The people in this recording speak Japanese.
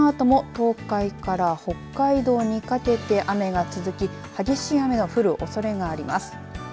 このあとも東海から北海道にかけて雨が続き激しい雨の降るおそれがあります。